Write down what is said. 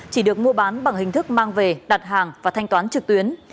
chỉ được mua bán bằng hình thức mang về đặt hàng và thanh toán trực tuyến